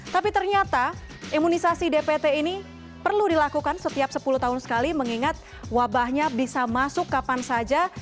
tapi ternyata imunisasi dpt ini perlu dilakukan setiap sepuluh tahun sekali mengingat wabahnya bisa masuk kapan saja